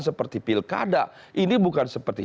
seperti pilkada ini bukan seperti